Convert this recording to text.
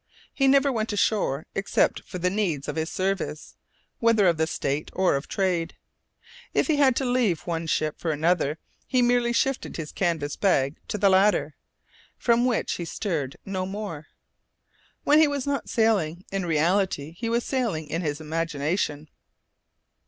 He never went ashore except for the needs of his service, whether of the State or of trade. If he had to leave one ship for another he merely shifted his canvas bag to the latter, from which he stirred no more. When he was not sailing in reality he was sailing in imagination.